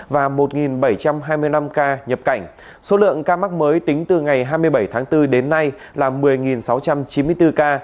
và một bảy trăm hai mươi năm ca nhập cảnh số lượng ca mắc mới tính từ ngày hai mươi bảy tháng bốn đến nay là một mươi sáu trăm chín mươi bốn ca